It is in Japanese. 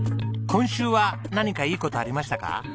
今週は何かいい事ありましたか？